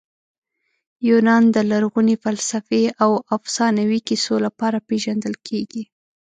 یونان د لرغوني فلسفې او افسانوي کیسو لپاره پېژندل کیږي.